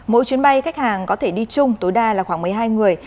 mỗi chuyến bay khách hàng có thể đi chung tối đa là khoảng một mươi hai người